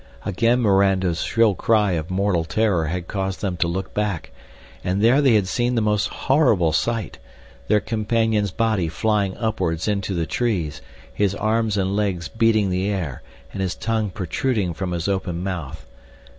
Again Mirando's shrill cry of mortal terror had caused them to look back, and there they had seen the most horrible sight—their companion's body flying upwards into the trees, his arms and legs beating the air and his tongue protruding from his open mouth.